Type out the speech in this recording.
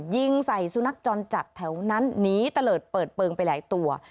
ยิงใส่สุนัขจรจัดแถวนั้นหนีตะเลิศเปิดเปลืองไปหลายตัว